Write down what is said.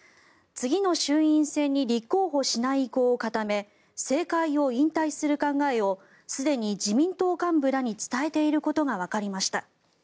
次の衆院選に立候補しない意向を固め政界を引退する考えをすでに自民党幹部らに伝えていることがわかりました。